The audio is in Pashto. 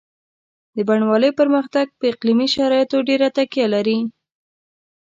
د بڼوالۍ پرمختګ په اقلیمي شرایطو ډېره تکیه لري.